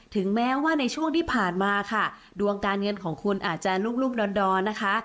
ถึงแม้ว่าในช่วงที่ผ่านมาค่ะดวงการเงินของคุณอาจจะลูกดอนนะคะ